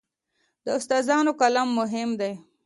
د استادانو قلم مهم دی.